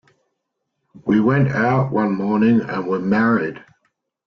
We went out one morning and were married.